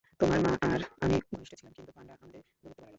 তোমার মা আর আমি খুব ঘনিষ্ট ছিলাম, কিন্তু পান্ডা আমাদের দূরত্ব বাড়াল।